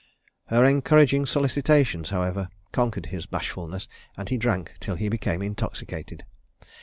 Her encouraging solicitations, however, conquered his bashfulness, and he drank till he became intoxicated.